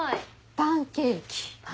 パンケーキ？